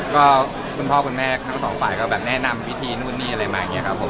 ก็คุณพ่อคุณแม่ทั้งสองฝ่ายก็แบบแนะนำพิธีนู่นนี่อะไรมาอย่างนี้ครับผม